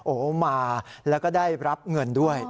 โอ้โหมาแล้วก็ได้รับเงินด้วย